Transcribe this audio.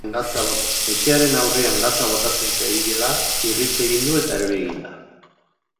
Etxearen aurrean gatza botatzen zebilela, irrist egin du eta erori egin da.